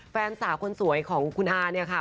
แฟนสาวคนสวยของคุณอาเนี่ยค่ะ